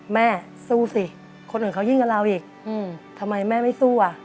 แม่สู้สิคนอื่นเขายิ่งกับเราอีกทำไมแม่ไม่สู้อ่ะ